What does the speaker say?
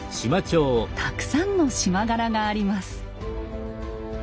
たくさんの縞柄があります。